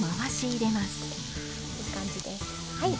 いい感じです。